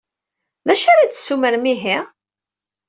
D acu ara d-tessumrem, ihi?